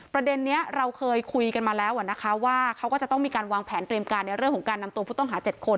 ประเด็นนี้เราเคยคุยกันมาแล้วนะคะว่าเขาก็จะต้องมีการวางแผนเตรียมการในเรื่องของการนำตัวผู้ต้องหา๗คน